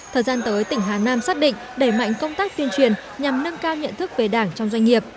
thời gian tới tỉnh hà nam xác định đẩy mạnh công tác tuyên truyền nhằm nâng cao nhận thức về đảng trong doanh nghiệp